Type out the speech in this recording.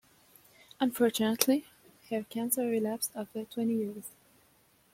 Unfortunately, her cancer relapsed after twenty years.